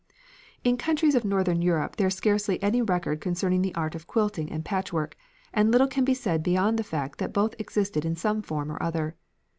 In the countries of northern Europe there is scarcely any record concerning the art of quilting and patchwork, and little can be said beyond the fact that both existed in some form or other.